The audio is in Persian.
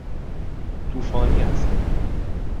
طوفانی است.